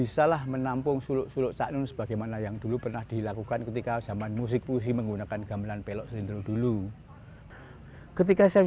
kadang ape kadang elek kadang bagus kadang jelek